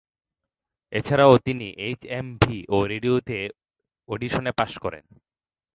এছাড়াও তিনি H M V ও রেডিওতে অডিশনে পাশ করেন।